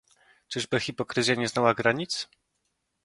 Czyżby hipokryzja nie znała granic?